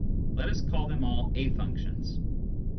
Let us call them all a functions.